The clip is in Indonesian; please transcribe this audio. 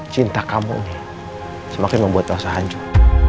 cinta kamu ini semakin membuat elsa hancur